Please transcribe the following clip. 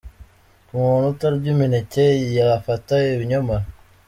Ku muntu utarya imineke yafata ibinyomoro.